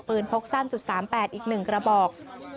พกสั้น๓๘อีก๑กระบอก